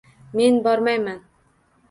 Men bormayman